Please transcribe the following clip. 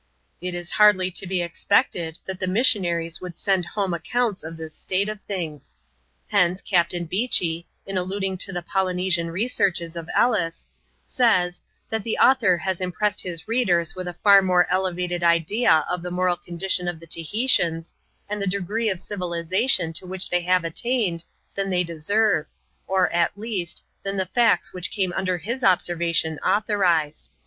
It is hardly to be expected, that the missionaries would send home accounts of this state of things. Hence, Captain Beechy, in alluding to the " Polynesian Researches" of Ellis, says, that the author has impressed his readers with a far more elevated idea of the moral condition of the Tahitians, and the degree of civilization to which they have attained, than they deserve *r or, at least, than the facts which came under his observation autho rised.